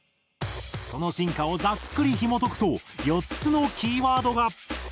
その進化をざっくりひもとくと４つのキーワードが。